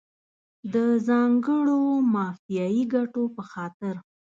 د ځانګړو مافیایي ګټو په خاطر.